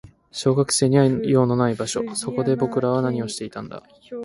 小学生には用のない場所。そこで僕らは何をしていたんだ。